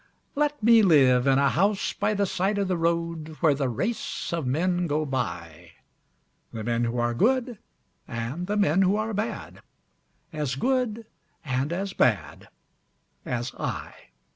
Let me live in a house by the side of the road Where the race of men go by The men who are good and the men who are bad, As good and as bad as I.